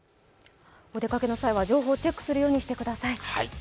お出かけの際は情報をチェックするようにしてください。